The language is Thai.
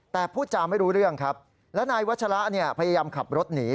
แต่พูดจาไม่รู้เรื่องครับและนายวัชระเนี่ยพยายามขับรถหนี